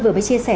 vừa mới chia sẻ